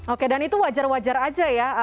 oke dan itu wajar wajar aja ya